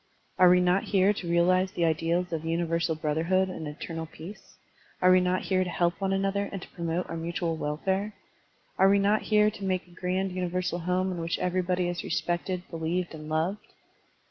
Are we not here to realize the ideals of universal brotherhood and eternal peace? Are we not here to help one another and to promote our mutual welfare? Are we not here to make a grand universal home in which everybody is respected, believed, and loved?